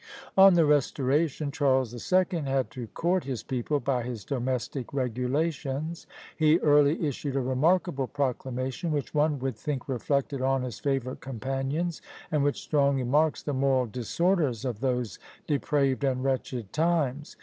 On the Restoration, Charles the Second had to court his people by his domestic regulations. He early issued a remarkable proclamation, which one would think reflected on his favourite companions, and which strongly marks the moral disorders of those depraved and wretched times.